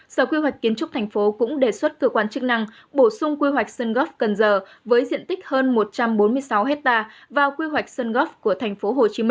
sở quy hoạch kiến trúc thành phố cũng đề xuất cơ quan chức năng bổ sung quy hoạch sơn góp cần giờ với diện tích hơn một trăm bốn mươi sáu hectare vào quy hoạch sơn góp của tp hcm